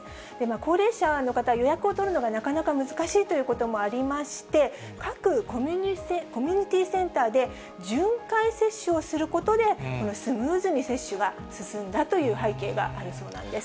高齢者の方、予約を取るのがなかなか難しいということもありまして、各コミュニティーセンターで巡回接種をすることで、スムーズに接種が進んだという背景があるそうなんです。